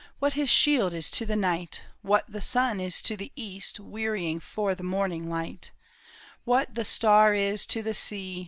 What his shield is to the knight, What the sun is to the east. Wearying for the morning light ; AVhat the star is to the sea.